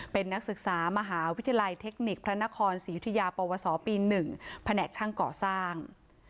เป็นนักศึกษามหาวิทยาลัยเทคนิคพระนครศรียุธิยาปวสปี๑แผนกช่างก่อสร้าง